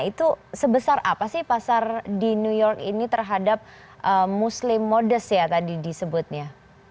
itu sebesar apa sih pasar di new york ini terhadap muslim modest ya tadi disebutnya